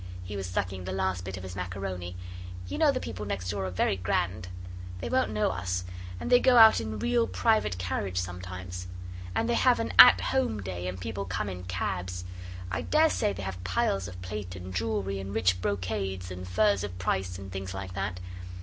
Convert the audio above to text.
He was sucking the last bit of his macaroni. 'You know the people next door are very grand. They won't know us and they go out in a real private carriage sometimes. And they have an "At Home" day, and people come in cabs. I daresay they have piles of plate and jewellery and rich brocades, and furs of price and things like that.